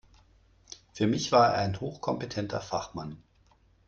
Für mich war er ein hochkompetenter Fachmann.